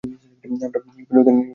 আমরা ইউএপিএর অধীনে মামলা করেছি।